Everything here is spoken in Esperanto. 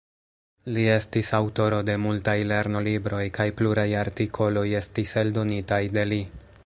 Li estis aŭtoro de multaj lernolibroj kaj pluraj artikoloj estis eldonitaj de li.